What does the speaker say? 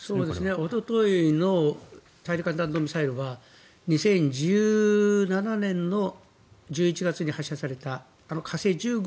おとといの大陸間弾道ミサイルは２０１７年の１１月に発射された火星１５